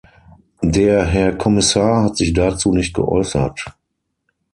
Der Herr Kommissar hat sich dazu nicht geäußert.